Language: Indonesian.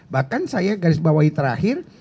bahkan saya garis bawahi terakhir